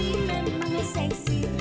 aku yang bilang seksi